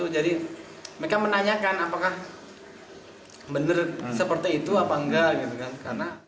jadi mereka menanyakan apakah benar seperti itu atau enggak